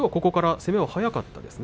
攻めが速かったですか